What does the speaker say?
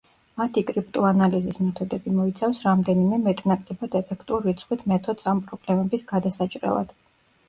მათი კრიპტოანალიზის მეთოდები მოიცავს რამდენიმე მეტნაკლებად ეფექტურ რიცხვით მეთოდს ამ პრობლემების გადასაჭრელად.